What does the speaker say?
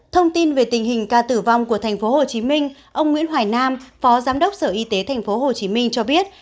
thông tin về tình hình ca tử vong của tp hcm ông nguyễn hoài nam phó giám đốc sở y tế tp hcm cho biết